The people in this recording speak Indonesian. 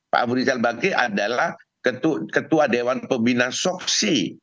pak abu rizal bakri adalah ketua dewan pembina soksi